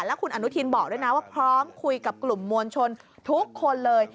แล้วคุณอนุทินบอกด้วยนะว่าพร้อมคุยกับกลุ่มมวลชนทุกคนเลย